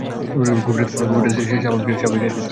গভীরতার সাথে স্বাভাবিক হারেই এই চাপ বৃদ্ধি পায়।